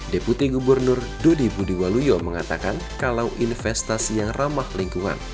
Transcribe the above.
deputi gubernur dodi budi waluyo mengatakan kalau investasi yang ramah lingkungan